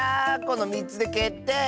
この３つでけってい！